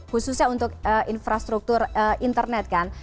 khususnya untuk infrastruktur internet kan